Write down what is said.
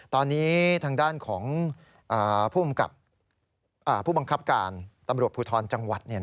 ตอนนี้ทางด้านของผู้บังคับการตำรวจภูทรจังหวัด